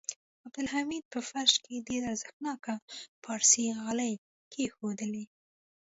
عبدالحمید په فرش کې ډېر ارزښتناکه پارسي غالۍ کېښودلې.